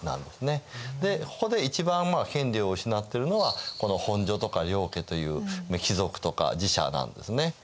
でここで一番権利を失っているのはこの本所とか領家という貴族とか寺社なんですね。